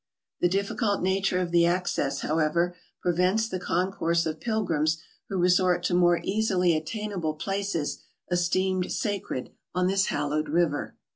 The difficult nature of the access, however, prevents the concourse of pilgrims who resort to more easily attainable places esteemed sacred on this hallowed river.